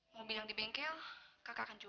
mobil yang di bengkel kakak akan juga